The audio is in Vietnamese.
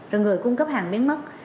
rồi người cung cấp hàng biến mất